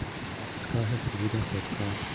دستگاه فرود خودکار